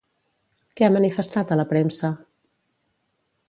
Què ha manifestat a la premsa?